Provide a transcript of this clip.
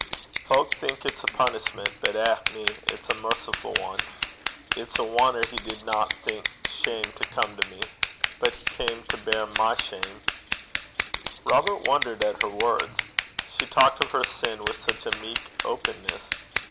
Fowk thinks it's a punishment; but eh me! it's a mercifu' ane. It's a wonner he didna think shame to come to me. But he cam to beir my shame.' Robert wondered at her words. She talked of her sin with such a meek openness!